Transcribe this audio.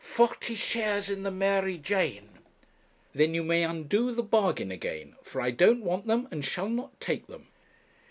'Forty shares in the Mary Jane.' 'Then you may undo the bargain again, for I don't want them, and shall not take them.'